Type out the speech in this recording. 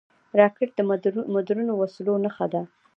راکټ د مدرنو وسلو نښه ده